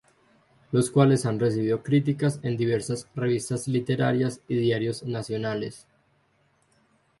Los cuales han recibido Críticas en diversas revistas literarias y diarios nacionales.